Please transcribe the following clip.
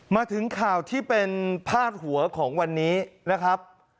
มาถึงข่าวที่เป็นพาดหัวของวันนี้นะครับ